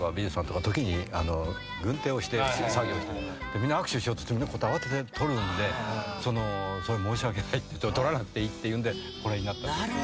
「みんな握手しようとして慌てて取るんで申し訳ない」「取らなくていいっていうんでこれになった」